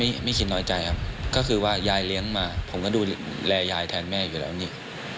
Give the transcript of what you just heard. ไม่ไม่คิดน้อยใจครับก็คือว่ายายเลี้ยงมาผมก็ดูแลยายแทนแม่อยู่แล้วนี่